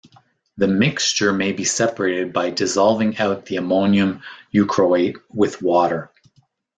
The mixture may be separated by dissolving out the ammonium euchroate with water.